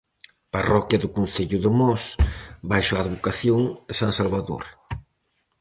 Parroquia do concello de Mos baixo a advocación de san Salvador.